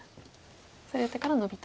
そうやってからノビと。